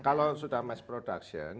kalau sudah mass production